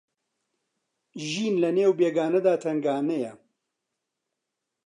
ژین لە نێو بێگانەدا تەنگانەیە